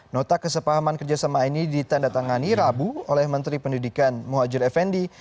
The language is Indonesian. nota kesepahaman kerjasama ini ditandatangani rabu oleh menteri pendidikan muhajir effendi